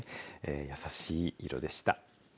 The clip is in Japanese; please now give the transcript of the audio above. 優しい色でした。